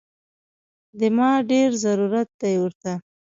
دې ما ډېر ضرورت دی ورته